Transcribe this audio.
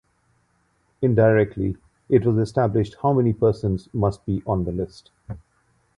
Indirectly it was established how many persons must be on the list.